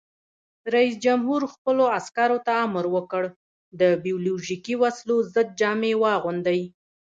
رئیس جمهور خپلو عسکرو ته امر وکړ؛ د بیولوژیکي وسلو ضد جامې واغوندئ!